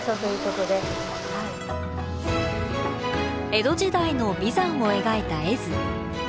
江戸時代の眉山を描いた絵図。